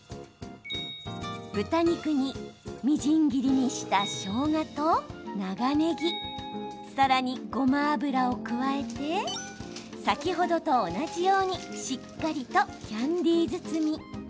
豚肉に、みじん切りにしたしょうがと長ねぎさらに、ごま油を加えて先ほどと同じようにしっかりとキャンデー包み。